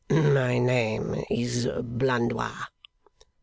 'My name is Blandois.